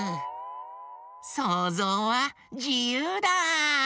そうぞうはじゆうだ！